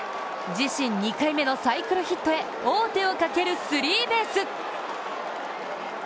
自身２回目のサイクルヒットへ王手をかけるスリーベース。